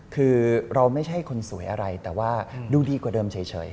คือเราไม่ใช่คนสวยอะไรแต่ว่าดูดีกว่าเดิมเฉย